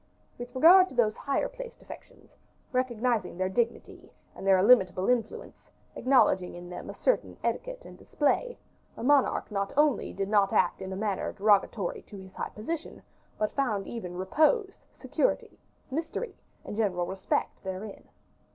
With regard to those higher placed affections, recognizing their dignity and their illimitable influence, acknowledging in them a certain etiquette and display a monarch not only did not act in a manner derogatory to his high position, but found even repose, security, mystery, and general respect therein.